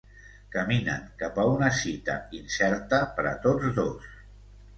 Caminen cap a una cita incerta per a tots dos.